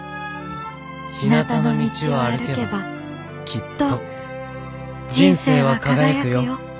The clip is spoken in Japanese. ひなたの道を歩けばきっと人生は輝くよ。